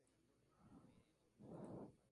De bellísimas flores rosas o blancas.